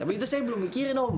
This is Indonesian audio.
tapi itu saya belum mikirin om